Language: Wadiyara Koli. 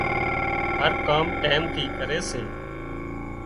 هر ڪام ٽيم ٿي ڪري سي